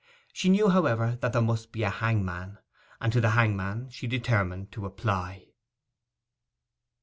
She knew, however, that there must be a hangman, and to the hangman she determined to apply.